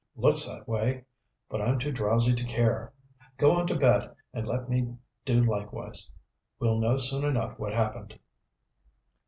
"Looks that way. But I'm too drowsy to care. Go on to bed and let me do likewise. We'll know soon enough what happened."